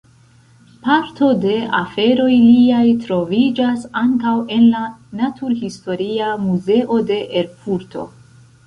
Parto de aferoj liaj troviĝas ankaŭ en la Naturhistoria Muzeo de Erfurto.